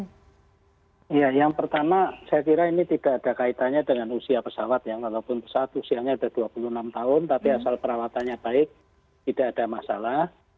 ya yang pertama saya kira ini tidak ada kaitannya dengan usia pesawat ya walaupun pesawat usianya sudah dua puluh enam tahun tapi asal perawatannya baik tidak ada masalah